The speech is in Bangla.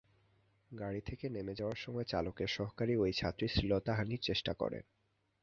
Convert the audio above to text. গাড়ি থেকে নেমে যাওয়ার সময় চালকের সহকারী ওই ছাত্রীর শ্লীলতাহানির চেষ্টা করেন।